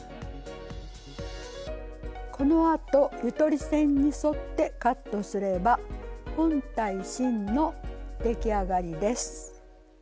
このあとゆとり線に沿ってカットすれば本体芯の出来上がりです。